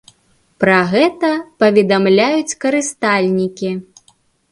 Пра гэта паведамляюць карыстальнікі.